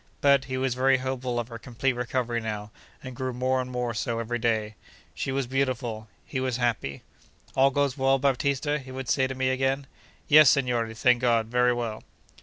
But, he was very hopeful of her complete recovery now, and grew more and more so every day. She was beautiful. He was happy. 'All goes well, Baptista?' he would say to me again. 'Yes, signore, thank God; very well.